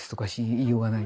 言いようがない。